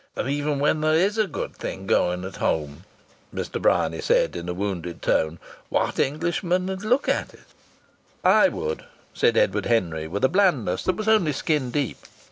"And even when there is a good thing going at home," Mr. Bryany said, in a wounded tone, "what Englishman'd look at it?" "I would," said Edward Henry with a blandness that was only skin deep.